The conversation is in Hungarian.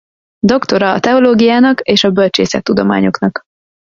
Doktora a teológiának és a bölcsészettudományoknak.